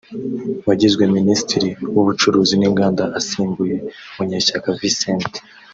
wagizwe Minisitiri w’Ubucuruzi n‘Inganda asimbuye Munyeshyaka Vincent